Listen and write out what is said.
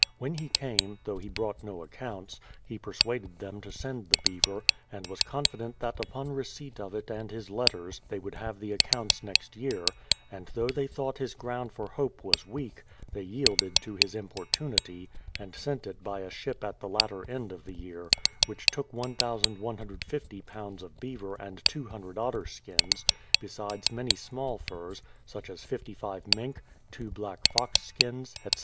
When he came, though he brought no accounts, he persuaded them to send tlie beaver, and was confident that upon receipt of it and his letters they would have the accounts next year; and though they thought his ground for hope was weak, they yielded to his importunity, and sent it by a ship at the latter end of the year, which took 1150 lbs. of beaver and 200 otter skins, besides many small furs, such as 55 mink, two black fox skins, etc.